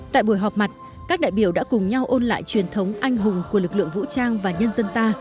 tại buổi họp mặt các đại biểu đã cùng nhau ôn lại truyền thống anh hùng của lực lượng vũ trang và nhân dân ta